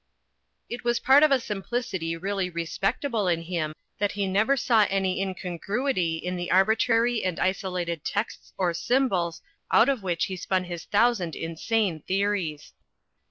It was part of a simplicity really respectable in him that he never saw any incongruity in the arbitrary and isolated texts or symbols out of which he spun his thousand insane theories.